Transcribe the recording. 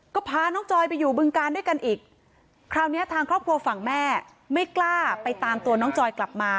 ก็พาน้องจอยไปอยู่บึงการด้วยกันอีกคราวนี้ทางครอบครัวฝั่งแม่ไม่กล้าไปตามตัวน้องจอยกลับมา